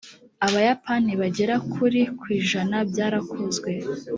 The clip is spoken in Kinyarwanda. abayapani bagera kuri ku ijana byarakozwe